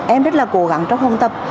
em đã cố gắng trong hôm tập